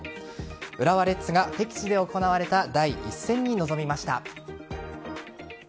浦和レッズが敵地で行われた第１戦に臨みました。